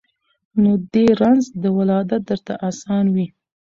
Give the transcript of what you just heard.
نو دي رنځ د ولادت درته آسان وي